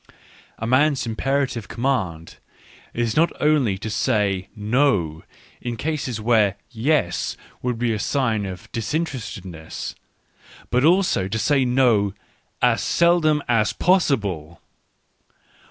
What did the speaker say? A man's impera tive command is not only to say " no " in cases where " yes " would be a sign of " disinterested ness," but also to say " no " as seldom as possible.